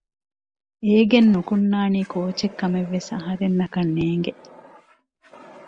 އޭގެން ނުކުންނާނީ ކޯއްޗެއް ކަމެއްވެސް އަހަރެންނަކަށް ނޭނގެ